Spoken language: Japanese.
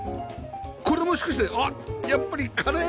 これもしかしてあっやっぱりカレーライス！